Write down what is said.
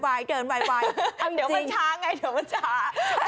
เกินไวเดี๋ยวมันช้าไงเดี๋ยวมันช้า